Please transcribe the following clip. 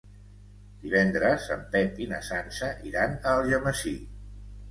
Divendres en Pep i na Sança iran a Algemesí.